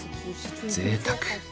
ぜいたく！